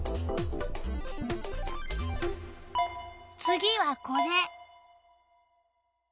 次はこれ。